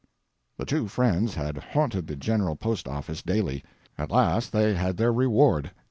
The two friends had haunted the general post office daily. At last they had their reward.